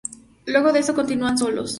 Luego de esto continúan solos.